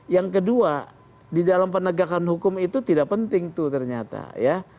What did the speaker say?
yang kedua di dalam penegakan hukum itu tidak penting tuh ternyata ya